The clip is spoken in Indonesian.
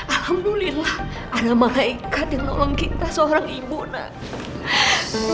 alhamdulillah ada malaikat yang nolong kita seorang ibu nak